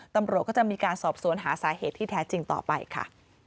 ตำรวจก็จะมีการสอบสวนหาสาเหตุที่แท้จริงต่อไปค่ะ